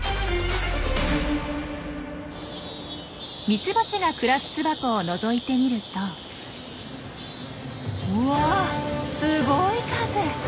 ミツバチが暮らす巣箱をのぞいてみるとうわすごい数！